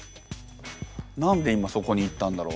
何で今そこに行ったんだろう？